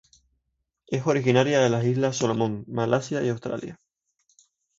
Es originaria de las Islas Solomon, Malasia y Australia.